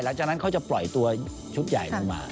หลังจากนั้นเขาจะปล่อยตัวชุดใหญ่ลงมา